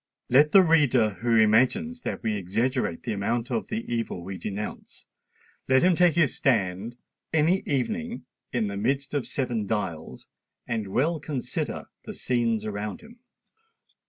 Let the reader who imagines that we exaggerate the amount of the evil we denounce,—let him take his stand, any evening, in the midst of Seven Dials, and well consider the scenes around him.